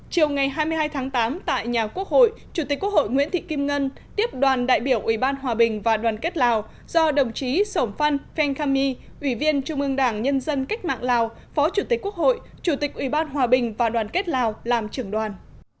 chiều ngày hai mươi hai tháng tám tại nhà quốc hội chủ tịch quốc hội nguyễn thị kim ngân tiếp đoàn đại biểu ủy ban hòa bình và đoàn kết lào do đồng chí sổm phan phen kham my ủy viên trung ương đảng nhân dân cách mạng lào phó chủ tịch quốc hội chủ tịch ủy ban hòa bình và đoàn kết lào làm trưởng đoàn